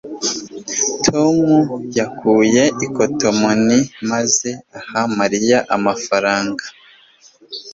tom yakuye ikotomoni maze aha mariya amafaranga